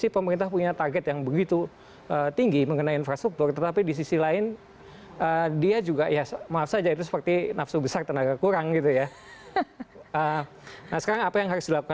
pemerintahan joko widodo